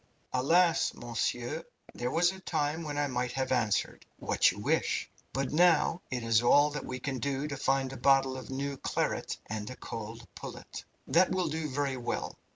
"Alas, monsieur, there was a time when I might have answered, 'What you wish!' but now it is all that we can do to find a bottle of new claret and a cold pullet." "That will do very well.